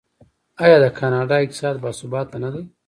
آیا د کاناډا اقتصاد باثباته نه دی؟